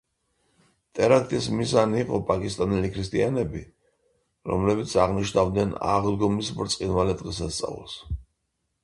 ტერაქტის მიზანი იყო პაკისტანელი ქრისტიანები, რომლებიც აღნიშნავდნენ აღდგომის ბრწყინვალე დღესასწაულს.